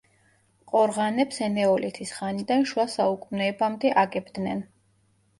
ყორღანებს ენეოლითის ხანიდან შუა საუკუნეებამდე აგებდნენ.